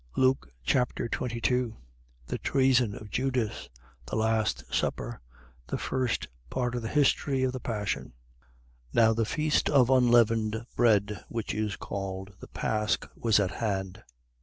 Luke Chapter 22 The treason of Judas. The last supper. The first part of the history of the passion. 22:1. Now the feast of unleavened bread, which is called the pasch, was at hand.